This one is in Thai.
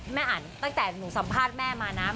แม่อ่านตั้งแต่หนูสัมภาษณ์แม่มานะ